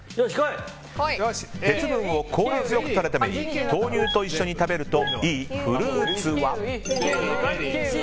鉄分を効率よくとるために豆乳と一緒に食べるといいフルーツは？